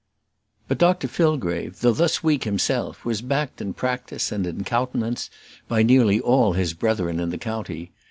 But Dr Fillgrave, though thus weak himself, was backed in practice and in countenance by nearly all his brethren in the county.